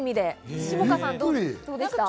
下川さん、どうですか？